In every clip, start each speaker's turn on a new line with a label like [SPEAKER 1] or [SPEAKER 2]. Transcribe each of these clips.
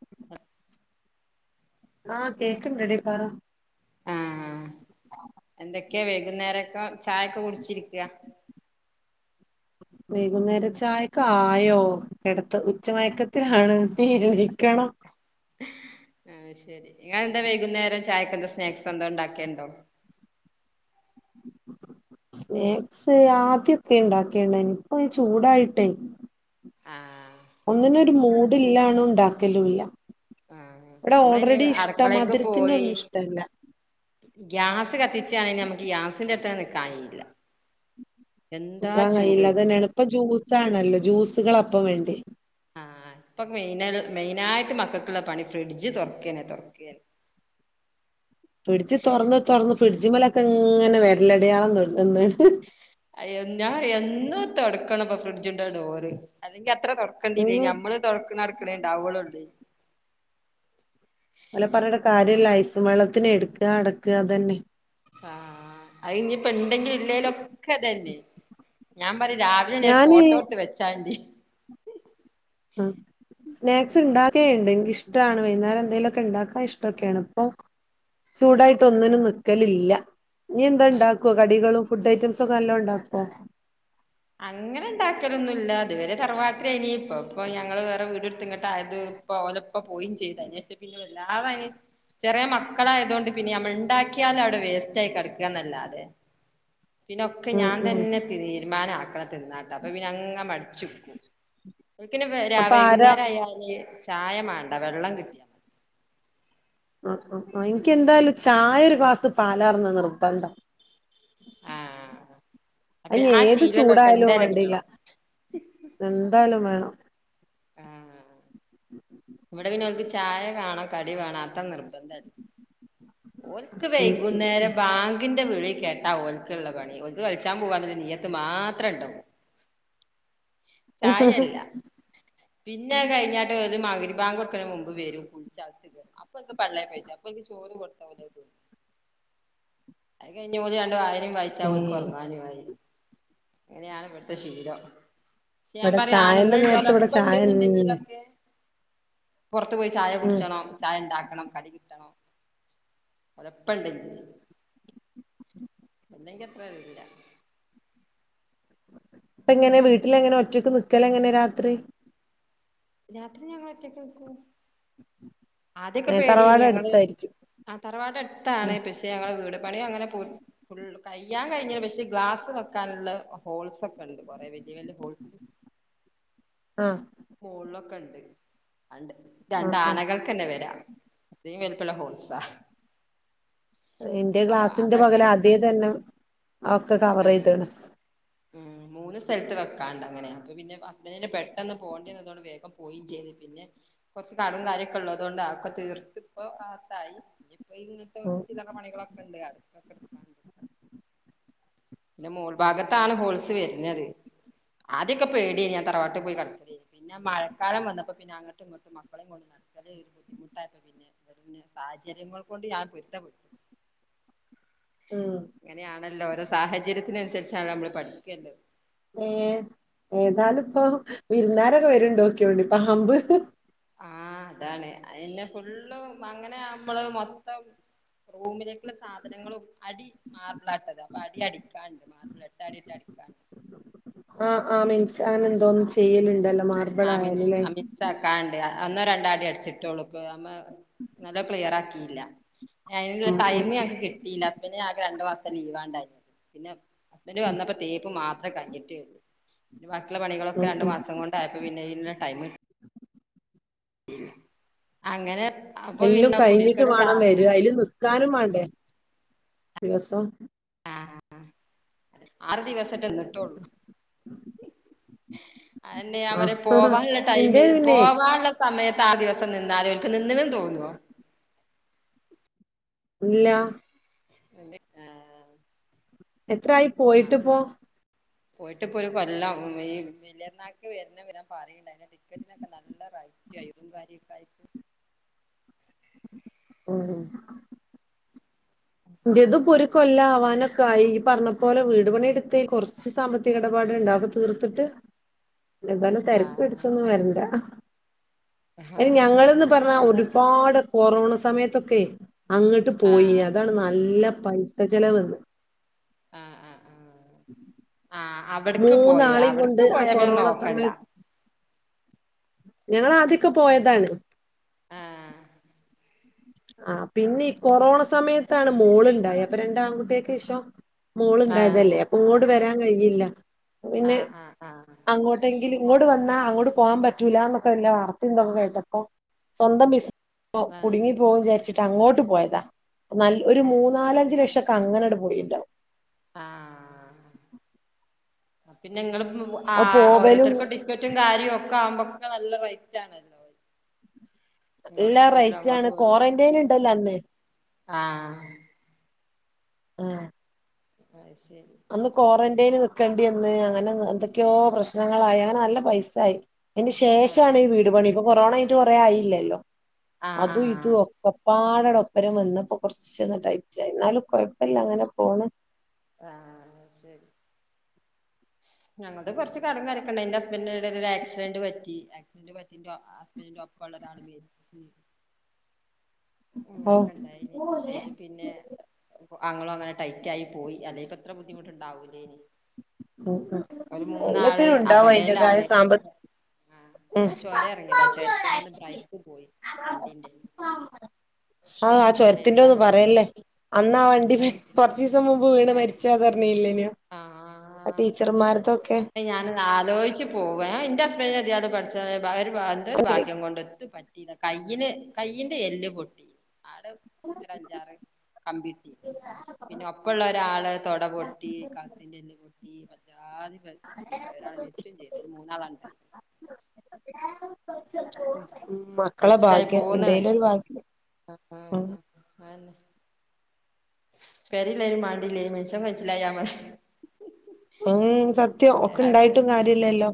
[SPEAKER 1] [unintelligible]
[SPEAKER 2] ആ കേക്ക്ണ്ടെടി പറ
[SPEAKER 1] ആ എന്തൊക്കെ വകുന്നേരൊക്കെ ചായൊക്കെ കുടിച്ചിരിക്കാ?
[SPEAKER 2] വൈകുന്നേര ചായക്ക ആയോ കിടത്ത ഉച്ച മയക്കത്തിാണ് നീരഴിക്കണം [unintelligible]
[SPEAKER 1] ആ ശരി നിങ്ങൾന്താ വൈകുന്നേരം ചായക്കെ എന്താ സ്നാക്സ് എന്തോ ഉണ്ടാക്കിയണ്ടോ. [inaudible]
[SPEAKER 2] സ്നാക്സ് ആദ്യക്കെ ഉണ്ടാക്കിയാണനു ഇപ്പ ചൂടായിട്ടേ.
[SPEAKER 1] ആഹ്
[SPEAKER 2] ഒന്നിനൊരു മൂഡില്ലാണു ഉണ്ടാക്കലു ല്ല.
[SPEAKER 1] ആഹ്
[SPEAKER 2] ഇവിടെ
[SPEAKER 1] ഞമ്മളിനി
[SPEAKER 2] ഓൾറെഡി ഇഷ്ടം
[SPEAKER 1] അടുക്കളേക്ക്
[SPEAKER 2] മധുരത്തിന്റെ
[SPEAKER 1] പോയി
[SPEAKER 2] ഒന്നും ഇഷ്ടമല്ല.
[SPEAKER 1] ഗ്യാസ് കത്തിച്ചാ യന് നമുക്ക് ഗ്യാസിന്റെ അടുത്ത് നിക്കാനില്ല.
[SPEAKER 2] നിക്കാൻ കഴയില്ല. അത് തന്നെയാണ് ഇപ്പ ജ്യൂസാണല്ലോ. ജ്യൂസുകൾ അപ്പം വേണ്ടി.
[SPEAKER 1] ആഹ ഇപ്പൊ മെയിന മെയിനായിട്ട് മക്കൾക്കുള്ള പണി ഫ്രിഡ്ജ് തുറക്കനെ തുറക്ക [inaudible]
[SPEAKER 2] ഫ്രിഡ്ജ് തുറന്ന് തുറന്ന് ഫ്രിഡ്ജി മലൊക്കെ ഇങ്ങനെ വിരലടയാളം ക തൊടുന്ന്
[SPEAKER 1] അയ്യോ ഞാ എന്നു തുടക്കണംപ്പ ഫ്രിഡ്ജിൻ്റെ ഡോറ് അലെങ്കി അത്ര തുറക്കേണ്ടില്ല
[SPEAKER 2] ഉം
[SPEAKER 1] നമ്മള് തുറക്കണ ടിളക്കളേണ്ടാവുകളുണ്ട് ണ്ടേ
[SPEAKER 2] അല പറഞ്ഞേട്ട് കാര്യല്ല ഐസും വെള്ളത്തിന് എടുക അടക്കുക അതന്നെ
[SPEAKER 1] ആ അത് ഇനിയിപ്പ ഉണ്ടെങ്കിലും ഇല്ലെലൊക്കെ അതനേ ഞാൻ റ രാവിലെ ഞ
[SPEAKER 2] ഞാന്
[SPEAKER 1] ഫോട്ടോ എടുത്ത് വെച്ചാണ്ടി
[SPEAKER 2] ആ സ്നാക്സ് ഇണ്ടാ ക്കെ ഇഷ്ടാണ് വൈകുന്നേരം എന്തേലുമൊക്കെ ഉണ്ടാക്കാൻ ഇഷ്ടൊക്കെയാണ് ഇപ്പൊ ചൂടായിട്ടൊന്നിനും നിക്കലില്ല. നീ എന്താ
[SPEAKER 1] അയ്
[SPEAKER 2] ഇണ്ടാക്കുവോ, കടികളും ഫുഡ് ഐറ്റംസ് ഒക്കെ നല്ലോ ഉണ്ടാക്കുവോ?
[SPEAKER 1] അങ്ങനെ ഉണ്ടാക്കലൊന്നില്ല. അതുവരെ തറവാട്ടിലെനി ഇനി ഇപ്പ ഇപ്പ ഞങ്ങള് വേറെ വീട്ടുത്ത് ഇങ്ങോട്ട് ആയത് പ്പ ഓലപ്പ പോയും ചെയ്ത് അയിനഷേ പിന്നെ വല്ലാ ചെറിയ മക്കളായതൊണ്ട് പിന്നെ നമ്മൾ ക ഉണ്ടാക്കിയാലും അവിടെ വേസ്റ്റ്യി കിടക്കുകന്നല്ലാതെ. പിന്നൊക്കെ
[SPEAKER 2] ഉം
[SPEAKER 1] ഞാൻ
[SPEAKER 2] ഉം
[SPEAKER 1] തന്നെ തീരുമാനാക്കണം തിന്നാട്ട അപ്പൊ പിന്ന അങ്ങ് മടി. എിനിക്ക്
[SPEAKER 2] അപ്പൊ ആരാ
[SPEAKER 1] വൈകുന്നേരം ആയാല് ചായ വേണ്ട. വെള്ളം കിട്ടിയാ മതി.
[SPEAKER 2] എനിക്ക് എന്തായാലും ചായ ഒരു ഗ്ലാസ് പാലാർന്ന നിർബന്ധ
[SPEAKER 1] ആഹ അപ്പ ആ
[SPEAKER 2] ഏത്
[SPEAKER 1] ശീലല്ലക്കെ
[SPEAKER 2] ചൂടായാലും
[SPEAKER 1] എന്തായാലു
[SPEAKER 2] വേണ്ടില്ല
[SPEAKER 1] കിട്ടണം.
[SPEAKER 2] എന്തായാലും വേണം
[SPEAKER 1] ആഹ ഇവിടെ പിന്നെ ഓല്ക്ക് ചായ കാണാ കടി വേണോ അത്ര നിർബന്ധല്ല ഒൽക്ക്
[SPEAKER 2] ഉം
[SPEAKER 1] വൈകുന്നേരം
[SPEAKER 2] ഉം
[SPEAKER 1] ബാങ്കിന്റെ വിളി കേട്ടാ ഒല്ക്കുള്ള പണി ഒൽക്ക് കളിച്ചാൻ പോവാന് നീയത്ത് മാത്രം ഇണ്ടാവൂ പ്
[SPEAKER 2] ഉ ഉ ഉ
[SPEAKER 1] പിന്നെ കഴിഞ്ഞട്ട് ഒരു മകരി ഭാങ്ക് കൊടുക്കണ മുൻപ് വരും. കുളിച്ചത്ത് അപ്പൊ എന്ത പള്ള പൈ അ [unintelligible] വായിച്ചാ ഒരു
[SPEAKER 2] ഏഹ്
[SPEAKER 1] കുറന്നാല് മായി അങ്ങനെയാണ് ഇവിടുത്തെ ശിലം. ഞാ
[SPEAKER 2] ഇവിടെ
[SPEAKER 1] പറയാ
[SPEAKER 2] ചായന്റെ
[SPEAKER 1] ആണുങ്ങൾ
[SPEAKER 2] നേരത്ത് ഇവിടെ ചായന്നെ
[SPEAKER 1] ചിലപ്പുണ്ട്ന്നുണ്ടെങ്കിലൊക്കെ പുറത്ത് പോയി ചായ
[SPEAKER 2] ഉം
[SPEAKER 1] കുടിചണം ചായ ഉണ്ടാക്കി കണം കടി കിട്ടണം ഓലപ്പന്ടെങ്ങി പിന്നെന്റെ എത്ര വില്ല.
[SPEAKER 2] ഇപ്പ എങ്ങനെ വീട്ടില് എങ്ങനെ ഒറ്റക്ക് നിക്കല് എങ്ങനെ രാത്രി.
[SPEAKER 1] രാത്രി ഞങ്ങ ഒറ്റക്കേ നിക്കു. ആദ്യക്കെ
[SPEAKER 2] ഏഹ്
[SPEAKER 1] പേടി
[SPEAKER 2] തറവാട്
[SPEAKER 1] ഞങ്ങള്
[SPEAKER 2] അടുത്തായിരിക്കും
[SPEAKER 1] ആ തറവാട് ടുത്താണ്
[SPEAKER 2] ഉം
[SPEAKER 1] പക്ഷെ ഞങ്ങള് വീട് പണി അങ്ങന പു ഫുൾ കയ്യാൻ കഴിഞ്ഞ പക്ഷേ ഗ്ലാസ് വെക്കാനുള്ള ഹോൾസ് ഒക്കെ ഉണ്ട്. കുറെ വെച്ച നി വല്ല പോൾസ്
[SPEAKER 2] ആഹ്
[SPEAKER 1] മുകളിലൊക്കെ ഉണ്ട്. രണ്ട്
[SPEAKER 2] ആഹ്
[SPEAKER 1] രണ്ടാ
[SPEAKER 2] ആഹ്
[SPEAKER 1] ആനകൾക്കന്നെ വരാം. അത് വലിപ്പ ല ഹോൾസാ
[SPEAKER 2] എൻ്റെ
[SPEAKER 1] അപ്പൊ
[SPEAKER 2] ഗ്ലാസ്സിന്റെ
[SPEAKER 1] അതൊക്കെ
[SPEAKER 2] പകല് ആദ്യേ
[SPEAKER 1] അടക്കാണ്ട്
[SPEAKER 2] തന്നെ ഒക്കെ കവർ
[SPEAKER 1] ആഹ്
[SPEAKER 2] ചെയ്തണ്.
[SPEAKER 1] ഉം മൂന്ന് സ്ഥലത്ത് വെക്കാണ്ട് ണ്ടങ്ങനെയാ അപ്പൊ പിന്നെ ഹസ്ബൻ്റന് പെട്ടന്ന് പോവണ്ടേ വന്നതൊണ്ട് വേഗം പോയും ചെയ്ത് പിന്നെ കൊറച്ച് കടോം കാര്യൊക്കെ ഉള്ളൂ അതുകൊണ്ട് ആതോക്കെ തീർത്ത് ഇപ്പൊ അത്തായി ഇങ്ങനത്തെ
[SPEAKER 2] ഉം
[SPEAKER 1] ചില്ലറ പണികളൊക്കെ ഉണ്ട് അ എന്റെ മൂൾ ഭാഗത്താണ് ഹോളിസ് വരഞ്ഞത് അതിക്കെപ്പടിയ ഞാൻ തറവാട്ട് പോയി കടക്ക പിന്നെ മഴക്കാലം വന്നപ്പോ പിന്നെ അങ്ങട്ടും ഇങ്ങോട്ടും മക്കളും ഇങ്ങ നടക്ക ഒരു ബുദ്ധിമുട്ടായിപ്പോ പിന്നെ സാഹചര്യങ്ങൾ കൊണ്ട് ഞാൻ പൊരുത്തപ്പെട്ടു
[SPEAKER 2] ആ
[SPEAKER 1] ആണല്ല ഓരോ സാഹചര്യത്തിനനുസരിച്ചാണ് നമ്മള് പഠിക്കേണ്ടത്
[SPEAKER 2] ഏർ ഏതാലും ഇപ്പൊ വിരുന്നാരൊക്കെ വരുണ്ടോക്കെണ്ട് പാമ്പ്
[SPEAKER 1] ആഹ അതാണ് പിന്നെ ഫുള്ള് അങ്ങനെ നമ്മള് മൊത്തം റൂമിലേക്കുള്ള സാധനങ്ങളും അടി മാർബിൾ ആട്ടത് അപ്പൊ അടി അടിക്കാണ്ട് മാർബിൾ എട്ട അടിട്ട അടിക്കാണ്ട് [unintelligible]
[SPEAKER 2] ആ ആ മീൻസ് ൻ എന്തോന്നും ചെയ്യലുണ്ടല്ലോ മാർബിൾ ആയാലല്ലേ
[SPEAKER 1] അന്നോ രണ്ടാടി അടിച്ചിട്ട് ഉളുക്ക് അമ്മ നല്ലോ ക്ലിയർ ആക്കിയില്ല [unintelligible] ള്ള
[SPEAKER 2] ഉം
[SPEAKER 1] ടൈം
[SPEAKER 2] ഉം
[SPEAKER 1] ഞങ്ങക്ക് കിട്ടിയില്ല ഹസ്ബന്ഡ് ഞക്ക് രണ്ടു മാസം ലീവാണ്ടായി പിന്നെ ഹസ്ബൻഡറ് വന്നപ്പോ തീപ്പ് മാത്രമേ കഞ്ഞിട്ടേ ഉള്ളൂ പിന്നെ ബാക്കിയുള്ള പണികളൊക്കെ
[SPEAKER 2] ഉം
[SPEAKER 1] രണ്ടു
[SPEAKER 2] ഉം
[SPEAKER 1] മാസം കൊണ്ട് [unintelligible] ടൈം അങ്ങനെ അപ്പൊ
[SPEAKER 2] എല്ലാം
[SPEAKER 1] പിന്നെ
[SPEAKER 2] കഴിഞ്ഞിട്ട്
[SPEAKER 1] കുടിയിരിക്കല് സാ
[SPEAKER 2] വേണം വര അതിൽ നക്കാനും വേണ്ടേ ദിവസോം
[SPEAKER 1] ആഹ് ആറ് ദിവസട്ടന്നിട്ടള്ളൂ അന്നെ
[SPEAKER 2] ആഹ്
[SPEAKER 1] പോവാനുള്ള
[SPEAKER 2] ഇന്റെ
[SPEAKER 1] ടൈമിൽ
[SPEAKER 2] പിന്നെ
[SPEAKER 1] പോവാനുള്ള സമയത്ത് ആ ദിവസം നിന്നാലും അവനിക്ക് നിന്നലും തോന്നുവോ
[SPEAKER 2] ഇല്ല
[SPEAKER 1] അ ആ
[SPEAKER 2] എത്രായി പോയിട്ട് പോ
[SPEAKER 1] പോയിട്ടിപ്പൊ ഒരു കൊല്ലം ഈ വലിയർന്നാക്ക് വരുന്ന വിരാൻ പാറിയില്ല പി ടിക്കറ്റിനൊക്കെ നല്ല റൈറ്റ് ആും കാര്യൊക്ക
[SPEAKER 2] ഓ ഇറത് ഒരു കൊല്ല ആവാനൊക്കെ ആയി ഈ പറഞ്ഞ പോലെ വീട് പണിടുത്ത് കുറച്ച് സാമ്പത്തിക ഇടപാട ഉണ്ടാക തീർത്തിട്ട്
[SPEAKER 1] [inaudible]
[SPEAKER 2] ഇതുപോലെ തിരക്ക്
[SPEAKER 1] ആഹ്
[SPEAKER 2] പിടിച്ചൊന്നും വരണ്ട
[SPEAKER 1] ഹാ
[SPEAKER 2] അ ഞങ്ങളന്ന് പറഞ്ഞാ
[SPEAKER 1] എന്താ
[SPEAKER 2] ഒരുപാട് കൊറോണ സമയത്തൊക്കെ അങ്ങോട്ട് പോയി
[SPEAKER 1] ആഹ്
[SPEAKER 2] അ നല്ല പൈസ ചെലവ്ന്ന്
[SPEAKER 1] ആഹ് ആഹ് ആഹ് ആഹ് അവിട്ക്ക് പോയി
[SPEAKER 2] മൂന്നാളെയും കൊണ്ട്
[SPEAKER 1] അവിട്ക്ക്
[SPEAKER 2] ആ
[SPEAKER 1] പോയാ പിന്നെ
[SPEAKER 2] കൊറോണ
[SPEAKER 1] നോക്കണ്ട
[SPEAKER 2] സമയത്ത് ഞങ്ങള ആദ്യൊക്കെ പോയതാണ്
[SPEAKER 1] ആഹ്
[SPEAKER 2] ആ പിന്നെ ഈ കൊറോണ സമയത്താണ് മോള്ണ്ടായി അപ്പൊ രണ്ട ആൺകുട്ടിയൊക്കെ ശേഷം
[SPEAKER 1] ആഹ്
[SPEAKER 2] മോൾണ്ടായതല്ലേ അപ്പൊ ഇങ്ങോട്ട് വരാൻ കഴിയില്ല പിന്നെ
[SPEAKER 1] ആഹ് ആഹ്
[SPEAKER 2] അങ്ങോട്ടെങ്കിലും ഇങ്ങോട്ട വന്നാ അങ്ങോട്ട പോകൻ പറ്റൂ എന്നന്നൊക്കെ വല്ല വാർത്തയ എന്തൊക്കെ കേട്ടപ്പൊ സ്വന്തം ബിസി
[SPEAKER 1] ആഹ്
[SPEAKER 2] [unintelligible]
[SPEAKER 1] ആഹ്
[SPEAKER 2] കുടുങ്ങി പോക വിചാരിച്ചിട്ട് അങ്ങോട്ട് പോയതാ ന ഒരു
[SPEAKER 1] അത്
[SPEAKER 2] മൂന്ന
[SPEAKER 1] ശരി
[SPEAKER 2] നാലഞ്ചു ലക്ഷമൊക്കെ അങ്ങനെട് പോയിുണ്ടാവും
[SPEAKER 1] ആ പിന്നെ ങ്ങള് ആ
[SPEAKER 2] അത് പോവലും
[SPEAKER 1] ഓരോരുത്തർക്കും ടിക്കറ്റും കാര്യവും ഒക്കെ ആവുമ്പോക്കെ നല്ല റൈറ്റ് ആണല്ലോ
[SPEAKER 2] എല്ലാ
[SPEAKER 1] ഇങ്ങോട്ട് പോരലും
[SPEAKER 2] റൈറ്റ ആണ് ക്വാറന്റൈൻ ഉണ്ടല്ലോ അന്ന്
[SPEAKER 1] ആ
[SPEAKER 2] ആ
[SPEAKER 1] അയ് ശരി
[SPEAKER 2] അന്ന് ക്വാറന്റൈന് നിൽക്കേണ്ടി എന്ന് അങ്ങനെ എന്തൊക്കെയോ പ്രശ്നങ്ങളായി അങ്ങനെ നല്ല പൈസായി അതിന്
[SPEAKER 1] ആഹ്
[SPEAKER 2] ശേഷമാണ് ഈ വീട് പണി ഇപ്പൊ കൊറോണ കഴിഞ്ഞിട്ട് കൊറേ ആയില്ലല്ലോ
[SPEAKER 1] ആഹ്
[SPEAKER 2] അതും ഇത
[SPEAKER 1] ആഹ്
[SPEAKER 2] ഒക്കെ പാടെണ് ഒപ്പരം വന്നപ്പോ കുറച്ചൊന്ന് ടൈറ്റായി ന്നാലും കുഴപ്പില്ല അങ്ങനെ പോണ്
[SPEAKER 1] ആ ശരി ഞങ്ങൾത് കുറച്ച് കടം കാര്യോക്കണ്ടായിനി ന്റെ ഹസ്ബന്റ് എടീലൊരു ആക്സിഡന്റ് പറ്റി ആക്സിഡന്റ് പറ്റി ന്റെോ ഹസ്ബന്റിന്റൊപ്പംള്ളരാള് മര്ച്ച്
[SPEAKER 2] ഓ
[SPEAKER 1] അങ്ങനൊക്കെണ്ടായിനി അയ്ല് പിന്നെ അങ്ങളും അങ്ങനെ ടൈറ്റ് ആയി പോയി അതേപ്പത്ര ബുദ്ധിമുട്ടുണ്ടാവൂലേന്
[SPEAKER 2] ഉം എല്ലത്തിനും ണ്ടാവും അതിന്റെതായൊരു സാമ്പത്തി
[SPEAKER 1] ആ അവൻ ചൊര ഇറങ്ങിയതാ ചൊരത്ത്മ്മന്ന് ബ്രൈക്ക് പോയി വണ്ടീന്റെ
[SPEAKER 2] ആ ആ ചുരത്തിന്റെന്നും
[SPEAKER 1] ഏതിയാലും ഒരു
[SPEAKER 2] പറയല്ലേ അന്ന് ആ വണ്ടി
[SPEAKER 1] ഹയ്
[SPEAKER 2] കുർച്ചീസം മുമ്പ് വീണ മര് ച്ചഥർഞ്ഞില്ലേനോ?
[SPEAKER 1] ആ ഞാനതാലോയ്ച്ചു പോവ്വേ ന്റെ ഹസ്ബന്റ് [unintelligible] പഠിച്ച ഒരു എന്ത ഒരു ഭാഗ്യം കൊണ്ട് എത്തു പറ്റില്ല കയ്യിന് കൈയിന്റെ എല്ല് പൊട്ടി ആ ഒ അഞ്ചാറ് കപ്ലീറ്റ് ചെയ പിന്നെ ഒപ്പള്ള ഒരാള് തൊട പൊട്ടി കാത്തിന്റെ എല്ല് പൊട്ടി പറ്റാ പ്രശ്നണ്ട ഒരാൾ മെര്ച്ചും ചെയ്ത് മൂന്നാളണ്ടായി
[SPEAKER 2] മക്കളെ ഭാഗ്യം എന്തേലും ഒരു ഭാഗ്യം
[SPEAKER 1] ആ ആ
[SPEAKER 2] ഉം
[SPEAKER 1] ആ അന്നെ പെരല്ലേലും മാണ്ടില്ലേനി മൻസൻ കയ്ച്ചിലായാ മതി
[SPEAKER 2] ഉം സത്യം
[SPEAKER 1] അതൊക്കെ
[SPEAKER 2] ഒക്കെണ്ടായിട്ടും കാര്യല്ലല്ലോ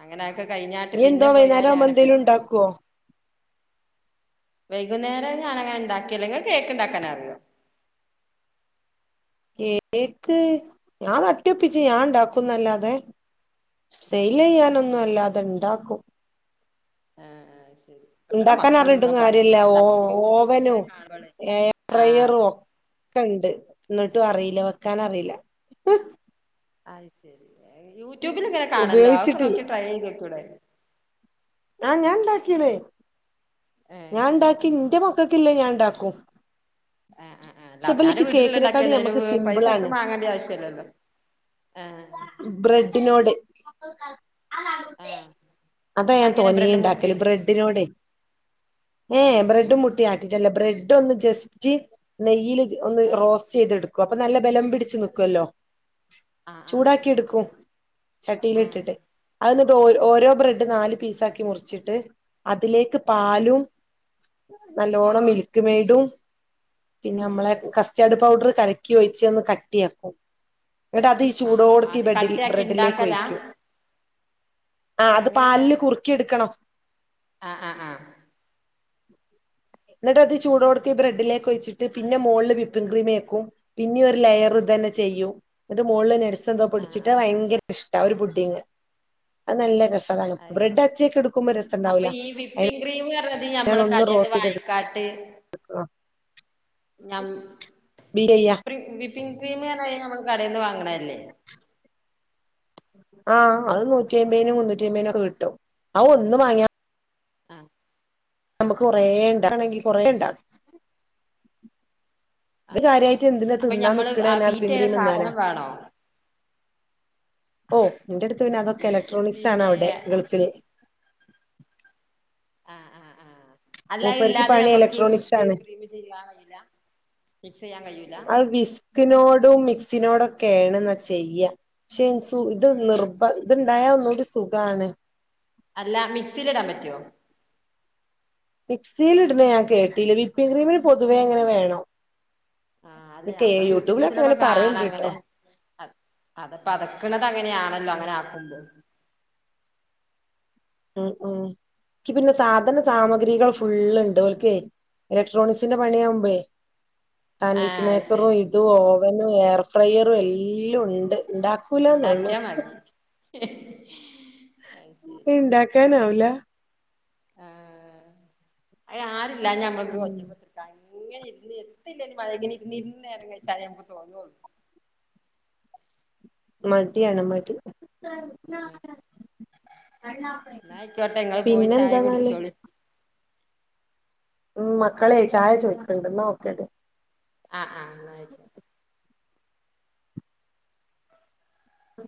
[SPEAKER 1] അങ്ങനെഒക്കെ കഴിഞ്ഞാട്ട്
[SPEAKER 2] നീ എന്തോ
[SPEAKER 1] പിന്നെ
[SPEAKER 2] വൈന്നേരം ആവുമ്പോ
[SPEAKER 1] പോയാരെയാണ് പെ
[SPEAKER 2] എന്തേലും ഉണ്ടാക്കുവോ
[SPEAKER 1] വൈകുന്നേരം ഞാനങ്ങനെ ണ്ടാക്കില്ലാ ങ്ങക്ക് കേക്ക്ണ്ടാക്കാനറിയോ
[SPEAKER 2] കേക്ക് ഞാൻ തട്ടിയൊപ്പിച്ചു ഞാൻ ഉണ്ടാക്കുന്നല്ലാതെ സെയ്ൽ ചെയ്യാനൊന്നും അല്ലാതെണ്ടാക്കും
[SPEAKER 1] ആ ആ
[SPEAKER 2] ഉണ്ടാക്കാൻ അറിഞ്ഞിട്ടും കാര്യല്ല ഓ ഓവനും
[SPEAKER 1] യൂട്യൂബിലിങ്ങനെ കാണുമ്പളേ
[SPEAKER 2] എയർ
[SPEAKER 1] ആഹ് അത്
[SPEAKER 2] ഫ്രയറും ക്കണ്ട് എന്നിട്ടും അറിയില്ല വെക്കാനറിയില്ല
[SPEAKER 1] അത് ശെരി യൂട്യൂബിൽ ഇങ്ങനെ കാണല്ലോ അതൊക്കെ
[SPEAKER 2] ഉപയോഗിച്ചിട്ടില്ല
[SPEAKER 1] നോക്കി ട്രൈ ചെയ്തൂടെ
[SPEAKER 2] ആ ഞാൻ ണ്ടാക്കീണ് ഞാൻ
[SPEAKER 1] ഏഹ്
[SPEAKER 2] ഉണ്ടാക്കി ന്റെ മക്ക ക്കക്കില്ലെ ഞാൻ ണ്ടാക്കും
[SPEAKER 1] ആ ആ ആ ആല്ല അവനാന്റെ വീട്ടിലിൽണ്ടാക്കിയന്ന
[SPEAKER 2] ഞമ്മക്ക്
[SPEAKER 1] അതിന് പൈസ
[SPEAKER 2] സിമ്പിൾ
[SPEAKER 1] എടുത്ത്
[SPEAKER 2] ആണ്
[SPEAKER 1] മാങ്ങണ്ട ആവശ്യല്ലല്ലോ ആഹ്
[SPEAKER 2] ബ്രെഡിനോട്
[SPEAKER 1] ആഹ്
[SPEAKER 2] അത
[SPEAKER 1] അങ്ങനെ ബ്രെഡ്
[SPEAKER 2] ഞാൻ ണ്ടാക്കല്
[SPEAKER 1] മുട്ടിയിട്ട്
[SPEAKER 2] ബ്രെഡ്ഢിനോട് ഏ
[SPEAKER 1] ആഹ്
[SPEAKER 2] ബ്രഡ്ഡും മുട്ടിം ആ ബ്രെഡ്ഡോന്ന് ജസ്റ്റ് നെയ്യില് ഒന്ന്
[SPEAKER 1] ആഹ്
[SPEAKER 2] റോസ്റ്റെയ്തെടു ക്കും അപ്പൊ നല്ല ബലം പിടിച്ചു നിക്കുവല്ലോ
[SPEAKER 1] ആഹ് ആഹ്
[SPEAKER 2] ചൂടാക്കി എടുക്കും ചട്ടിയിലിട്ടിട്ട് അതന്നിട്ട്
[SPEAKER 1] ആഹ്
[SPEAKER 2] ഓരോ
[SPEAKER 1] ആഹ്
[SPEAKER 2] ബ്രെഡ് നാല് പീസ ആക്കി മുറിച്ചിട്ട് അതിലേക്ക്
[SPEAKER 1] ആഹ്
[SPEAKER 2] പാലും നല്ലോണം മിൽക്ക് മേടും പിന്നെ
[SPEAKER 1] ആഹ്
[SPEAKER 2] നമ്മളെ കസ്റ്റേർഡ് പൗഡർ കലക്കി ഒഴച്ച്ന്ന് കട്ടിയാക്കും ന്നട്ടത് ഈ
[SPEAKER 1] ആഹ്
[SPEAKER 2] ചൂടോട്ക്കീ
[SPEAKER 1] ആദ്യ
[SPEAKER 2] ബെഡിൽ
[SPEAKER 1] കട്ടിയാക്കി ഇണ്ടാക്കലാ
[SPEAKER 2] ബ്രെഡിലേക്കൊഴിക്കും ആ അത് പാലില് കുർ
[SPEAKER 1] ആ ആ ആ
[SPEAKER 2] ന്നിട്ടത് ചൂടോട്ക്കെ ബ്രഡിലേക്ക് ഒഴിച്ചിട്ട് പിന്നെ മോള്ള് വിപ്പിംഗ് ക്രീംമേക്കും പിന്നിം ഒരു ലെയർ ഇത ചെയ്യും ന്നട്ട് മോള്ള് നട് സന്തോ
[SPEAKER 1] ആഹ്
[SPEAKER 2] പൊടിച്ചിട്ടാ
[SPEAKER 1] ആഹ് ആഹ്
[SPEAKER 2] ഭയങ്കര ഇഷ്ട ഒരു പുഡിങ്ങ് അത് നല്ല രസള്ള
[SPEAKER 1] അത്
[SPEAKER 2] ബ്രഡ
[SPEAKER 1] ശരി
[SPEAKER 2] ച്ചക്ക് എടുക്കുമ്പോ രസംണ്ടാവില്ല അ
[SPEAKER 1] അത് ഞമ്മള് കടേൽന്ന് വാങ്ങിക്കാണ്ട്‌ ഞ
[SPEAKER 2] ബീറ്റ് ചെയ്യാ
[SPEAKER 1] ഇപ്ര വിപ്പിങ് ക്രീംമ്ർഞ്ഞാ നമ്മള് കടയിൽന്ന് വാങ്ങണല്ലേ
[SPEAKER 2] ആഹ് അത് നൂറ്റി അയ്മ്പിനും മുന്നൂറ്റി അയ്മ്പീനൊക്കെ കിട്ടും ആ ഒന്ന് വാങ്ങിയ
[SPEAKER 1] ആഹ്
[SPEAKER 2] നമ്മുക്ക് കൊറേ ഉണ്ടാക്കണോങ്കി കൊറേ ഉണ്ടാ ഇത്
[SPEAKER 1] അത് ശരി
[SPEAKER 2] കാര്യായിട്ട് എന്തിനാ
[SPEAKER 1] അപ്പൊ
[SPEAKER 2] തിന്നാ
[SPEAKER 1] ഞമ്മള്
[SPEAKER 2] നിക്ക്ണെ
[SPEAKER 1] ആ
[SPEAKER 2] എന്നെ വിപിൻ
[SPEAKER 1] ബീറ്റെയ്യണ
[SPEAKER 2] ക്രീം തിന്നാനാ
[SPEAKER 1] സാധനം വേണോ
[SPEAKER 2] ഓ എൻ്റടുത്ത് പിന്നെ അതൊക്കെ എലക്ട്രോണിക്സ് ആണ്
[SPEAKER 1] പിന്നെ
[SPEAKER 2] അവിടെ ഗൾഫില്
[SPEAKER 1] ആഹ് ആഹ് ആഹ് അല്ലാ
[SPEAKER 2] മൂപ്പർക്ക്
[SPEAKER 1] ഇല്ലാതെയും
[SPEAKER 2] പണി
[SPEAKER 1] നമ്മക്ക് ഇത്
[SPEAKER 2] ഇലക്ട്രോണിക്സ്
[SPEAKER 1] ക്രീ ക്രീമ് ചെയ്യാൻ കഴിയില്ല മിക്സ് ചെയ്യാൻ കഴിയൂല
[SPEAKER 2] ആ വിസ്കിനോടും മിക്സ് സിനോടൊക്കെ ഏണ്ന്ന് ചെയ്യാം പക്ഷെ സു ഇത്
[SPEAKER 1] മിക്സ്
[SPEAKER 2] നിർബന്ദ് ഇത് ഉണ്ടായ ഉള്ളൊരു സു കാണ്
[SPEAKER 1] അല്ല മിക്സീല് ഇടാൻ പറ്റുവോ
[SPEAKER 2] മിക്സീല് ഇടുന്ന ഞാൻ കേട്ടീല വിപ്പിംഗിം ക്രീമിന് പൊതുവേ അങ്ങനെ വേണം
[SPEAKER 1] ആഹ് അല്ലെ
[SPEAKER 2] ഒക്കെ
[SPEAKER 1] നമ്മള് യൂട്യൂബില്
[SPEAKER 2] യൂട്യൂബിലൊക്കെ
[SPEAKER 1] ഇതിലൊക്കെ
[SPEAKER 2] അങ്ങനെ
[SPEAKER 1] കാണാം
[SPEAKER 2] പറയണ്ട്ട്ടോ
[SPEAKER 1] ഇങ്ങനെ അത് അതി പതക്ക്ണത് അങ്ങനെയാണല്ലോ അങ്ങനെ ആക്കുമ്പോ
[SPEAKER 2] ഉം ഉം എക്ക് പിന്നെ സാധന സാമഗ്രികൾ ഫുള്ള് ഇണ്ട് ഓൽക്കേ എലക് എലക്ട്രോണിസിന്റെ പണിയാവുമ്പഴേ സാൻവിച്ച്
[SPEAKER 1] ആഹ് അത്
[SPEAKER 2] മേക്കറോ
[SPEAKER 1] ശരി
[SPEAKER 2] ഇത് ഓവനും എയർ ഫ്രയറും എല്ലാം ഉണ്ട് ഉണ്ടാക്കൂലന്നുള്ളൂ
[SPEAKER 1] ഉണ്ടാക്കിയാ മതി അത്
[SPEAKER 2] ഇണ്ടാക്കാനാവുല
[SPEAKER 1] ആ അയ് ആരും ഇല്ലാഞ്ഞാ നമ്മൾക്ക്
[SPEAKER 2] ഉം
[SPEAKER 1] [unintelligible] ഇങ്ങനെ ഇരുന്ന് എത്തില്ല ഇനി വയകിന് നിന്നെറങ്ങച്ചാങ്ങലെ നമ്മക്ക് തോന്നോള്ളു
[SPEAKER 2] മടിയാണ് മടി
[SPEAKER 1] ആ എന്നാ ആയിക്കോട്ടെ ഇങ്ങള് പോയി
[SPEAKER 2] പിന്നെ
[SPEAKER 1] ചായ
[SPEAKER 2] എന്താന്നാല്
[SPEAKER 1] കുടിച്ചോളി
[SPEAKER 2] ഉം മക്കളേ ചായ ചോയ്ക്ക്ണ്ട് ന്നാ ഓക്കെ
[SPEAKER 1] ആഹ് ആഹ് ആയിക്കോട്ടെ
[SPEAKER 2] ഉം